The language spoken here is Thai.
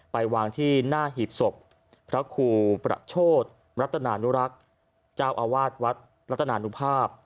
ไปวางที่หน้าหีบศพพระครูประโชธรัตนานุรักษ์เจ้าอาวาสวัดรัตนานุภาพ